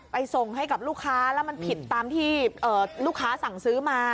ส่งให้กับลูกค้าแล้วมันผิดตามที่ลูกค้าสั่งซื้อมา